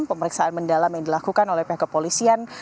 pemeriksaan mendalam yang dilakukan oleh pihak kepolisian